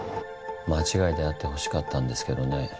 間違いであってほしかったんですけどね